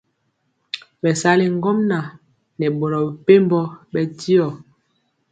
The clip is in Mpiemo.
Bɛsali ŋgomnaŋ nɛ boro mepempɔ bɛndiɔ.